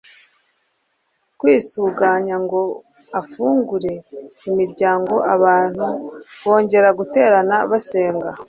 kwisuganya ngo afungure imiryango abantu bongere guterana basenga